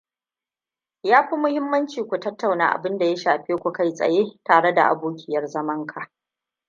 Yafi muhimmanci ku tattauna abinda ya shafe ku kai tsaye tare da abokiyar zamanka.